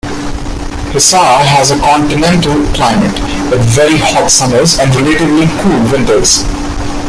Hisar has a continental climate, with very hot summers and relatively cool winters.